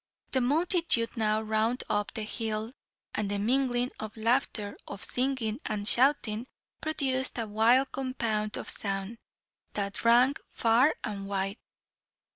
The multitude now wound up the hill, and the mingling of laughter, of singing, and shouting, produced a wild compound of sound, that rang far and wide.